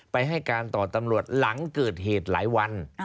ให้การต่อตำรวจหลังเกิดเหตุหลายวัน